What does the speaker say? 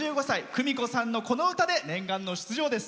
クミコさんのこの歌で念願の出場です。